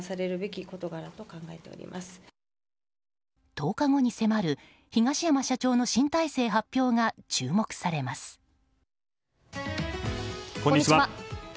１０日後に迫る東山社長の新体制発表がこんにちは。